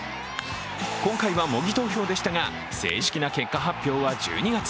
今回は模擬投票でしたが、正式な結果発表は１２月。